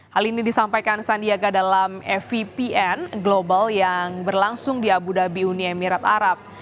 hal ini disampaikan sandiaga dalam evpn global yang berlangsung di abu dhabi uni emirat arab